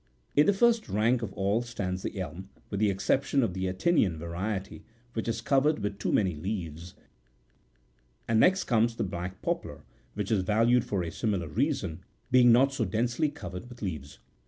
In the first rank of all stands the elm,54 with the exception of the Atinian variety, which is covered with too many leaves ; and next comes the black poplar, which is valued for a similar reason, being not so densely covered with leaves.